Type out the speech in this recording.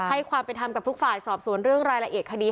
ความเป็นธรรมกับทุกฝ่ายสอบสวนเรื่องรายละเอียดคดี